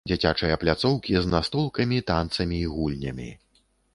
Дзіцячыя пляцоўкі з настолкамі, танцамі і гульнямі.